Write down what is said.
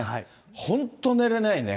本当、寝れないね。